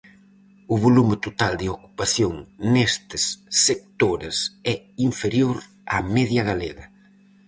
O volume total de ocupación nestes sectores é inferior á media galega.